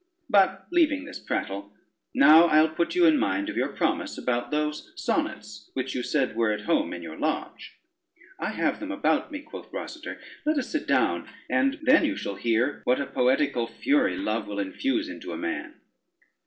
But leaving this prattle, now I'll put you in mind of your promise about those sonnets, which you said were at home in your lodge." "I have them about me," quoth Rosader, "let us sit down, and then you shall hear what a poetical fury love will infuse into a man."